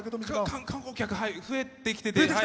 観光客、増えてきてて。